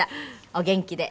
お元気で。